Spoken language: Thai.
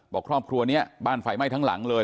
ครอบครัวนี้บ้านไฟไหม้ทั้งหลังเลย